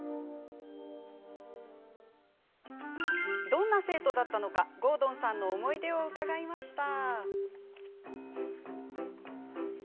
どんな生徒だったのか郷敦さんの思い出を伺いました。